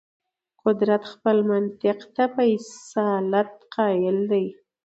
قدرت خپلو منطق ته په اصالت قایل دی.